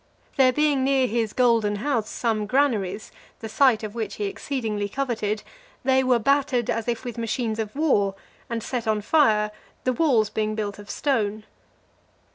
There being near his Golden House some granaries, the site of which he exceedingly coveted, they were battered as if with machines of war, and set on fire, the walls being built of stone.